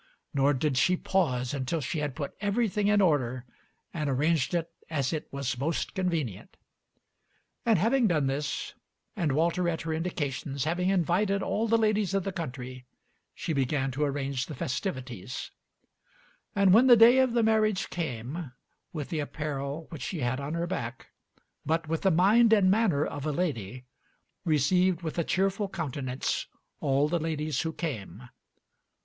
Nor did she pause until she had put everything in order and arranged it as it was most convenient. And having done this, and Walter at her indications having invited all the ladies of the country, she began to arrange the festivities; and when the day of the marriage came, with the apparel which she had on her back, but with the mind and manner of a lady, received with a cheerful countenance all the ladies who came.